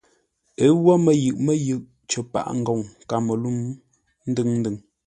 Ə́ wó mə́yʉʼ mə́yʉʼ cər paʼa ngoŋ Kamelûŋ, ndʉŋ-ndʉŋ.